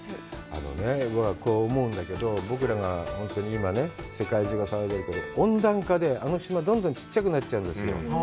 あのね、僕は思うんだけど、僕らが本当に今ね、世界中が騒いでるけど、温暖化であの島、どんどんちっちゃくなっちゃうんですよ。